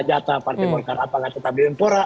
jatah partai golkar apakah ke tabli menpora